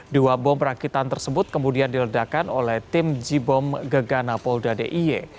dua bom rakitan tersebut kemudian diledakan oleh tim j bom gegana polda d i y